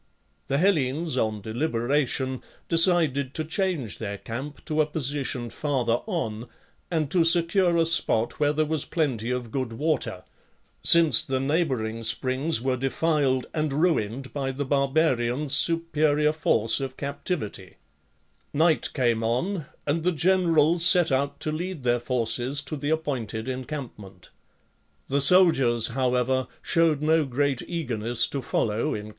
The Hellenes, on deliberation, decided to change their camp to a position farther on, and to secure a spot where there was plenty of good water, since the neighbouring springs were defiled. and ruined by the Barbarians' superior force of cavalry. XVII., Night came on, and the generals set out, to lead their forces to the appointed encampment. The soldiers, however, showed no great eagerness to follow in.